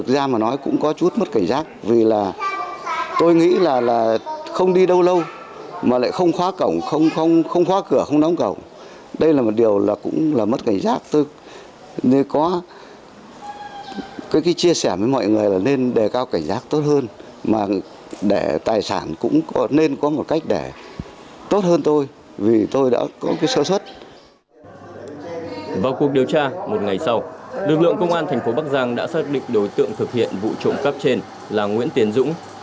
vào cuộc điều tra một ngày sau lực lượng công an thành phố bắc giang đã xác định đối tượng thực hiện vụ trộm cắp trên là nguyễn tiến dũng